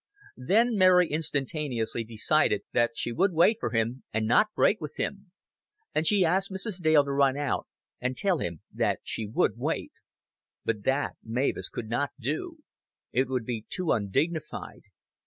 Then Mary instantaneously decided that she would wait for him, and not break with him; and she asked Mrs. Dale to run out and tell him that she would wait. But that Mavis could not do. It would be too undignified.